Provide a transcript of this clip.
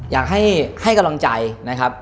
อยากให้กำลังใจนะครับ